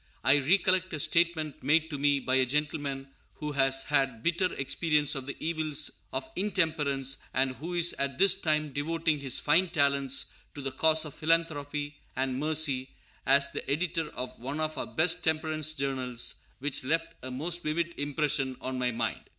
I recollect a statement made to me by a gentleman who has had bitter experience of the evils of intemperance, and who is at this time devoting his fine talents to the cause of philanthropy and mercy, as the editor of one of our best temperance journals, which left a most vivid impression on my mind.